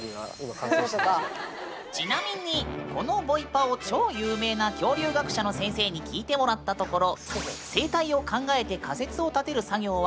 ちなみにこのボイパを超有名な恐竜学者の先生に聴いてもらったところ。